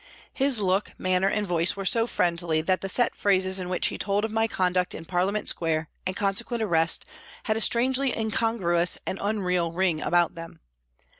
His look, manner and voice were so friendly that the set phrases in which he told of my conduct in Parliament Square and consequent arrest had a strangely incongruous and unreal ring about them.